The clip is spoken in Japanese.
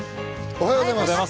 おはようございます。